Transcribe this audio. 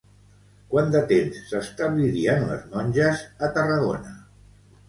Quant de temps s'establirien les monges a Tarragona?